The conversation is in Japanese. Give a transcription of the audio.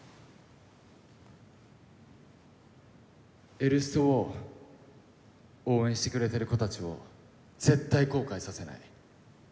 エルストを応援してくれてる子たちを絶対後悔させない。